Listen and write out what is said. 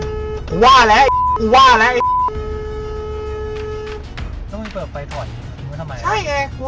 กูว่าแล้วไอ้โอ้ยเปิดไฟถอดทีมก็ทำไมใช่ไง